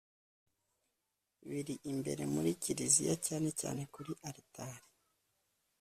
biri imbere mu kiliziya cyane cyane kuri altar